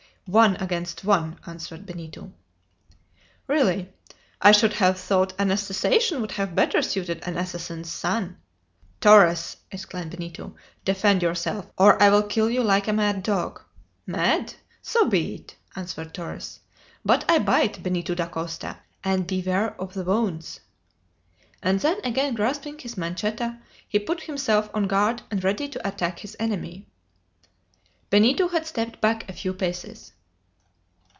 one against one!" answered Benito. "Really! I should have thought an assassination would have better suited an assassin's son!" "Torres!" exclaimed Benito, "defend yourself, or I will kill you like a mad dog!" "Mad! so be it!" answered Torres. "But I bite, Benito Dacosta, and beware of the wounds!" And then again grasping his manchetta, he put himself on guard and ready to attack his enemy. Benito had stepped back a few paces.